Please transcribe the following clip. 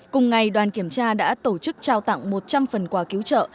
cùng ngày đoàn kiểm tra đã tổ chức trao tặng một trăm linh phần quà cứu trợ